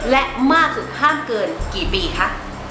และมากสุดห้ามเกินกี่ปีคะ